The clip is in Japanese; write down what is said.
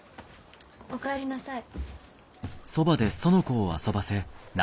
お帰りなさい。